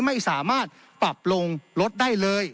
ไม่สามารถปรับลงลดได้เลย